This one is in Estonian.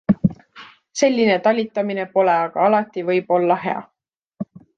Selline talitamine pole aga alati võib-olla hea.